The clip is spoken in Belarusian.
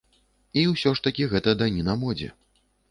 І ўсё ж такі гэта даніна модзе.